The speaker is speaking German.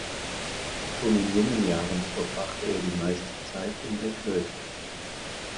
Schon in jungen Jahren verbrachte er die meiste Zeit in der Kirche.